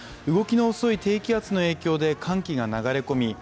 動きの遅い低気圧の影響で寒気が流れ込み